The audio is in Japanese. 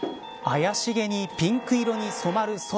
怪しげにピンク色に染まる空。